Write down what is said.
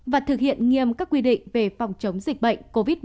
và thực hiện nghiêm các quy định về phòng chống dịch bệnh covid một mươi chín